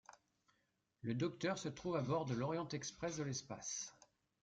Le Docteur se retrouve à bord de l'Orient-Express de l'espace.